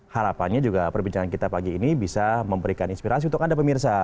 harapannya juga perbincangan kita pagi ini bisa memberikan inspirasi untuk anda pemirsa